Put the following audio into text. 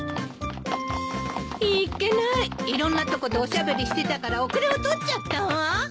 いっけないいろんなとこでおしゃべりしてたから遅れをとっちゃったわ。